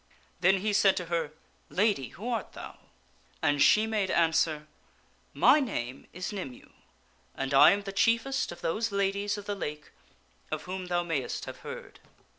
Then he said to her, " Lady, who art thou ?" and she made answer, " My name is Nymue and I am the chiefest of those Ladies of the Lake of whom thou mayst have heard.